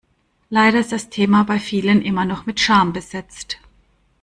Leider ist das Thema bei vielen immer noch mit Scham besetzt.